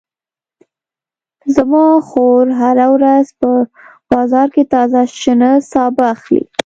زما خور هره ورځ په بازار کې تازه شنه سابه اخلي